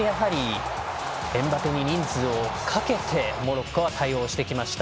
これだけエムバペに人数をかけてモロッコは対応してきました。